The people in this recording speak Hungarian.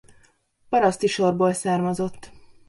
Paraszti sorból származott.